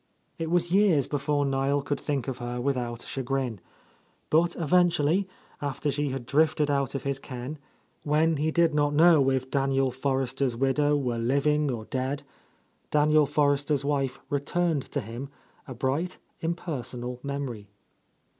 It was years before Niel could think of her without chagrin. But eventually, after she had drifted out of his ken, when he did not know if Daniel Forrester's widow w;ere living or dead, Daniel Forrester's wife returned to, him, a bright, impersonal memory.